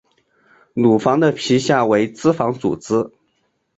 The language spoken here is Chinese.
乳房的皮下为脂肪组织。